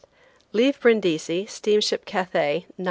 25–Leave Brindisi, steamship Cathay, 9 a.